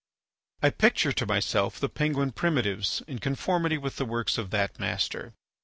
I picture to myself the Penguin primitives in conformity with the works of that master.